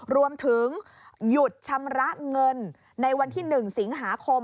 รวมถึงหยุดชำระเงินในวันที่๑สิงหาคม